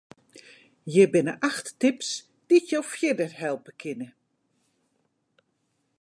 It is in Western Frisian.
Hjir binne acht tips dy't jo fierder helpe kinne.